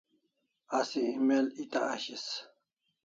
Asi email eta ashis